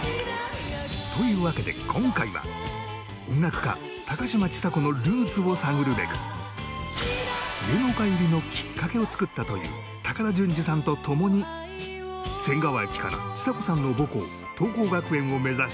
というわけで今回は音楽家高嶋ちさ子のルーツを探るべく芸能界入りのきっかけを作ったという高田純次さんと共に仙川駅からちさ子さんの母校桐朋学園を目指し